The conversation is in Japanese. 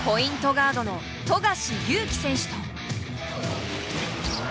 ガードの富樫勇樹選手と。